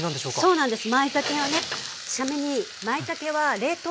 そうなんです。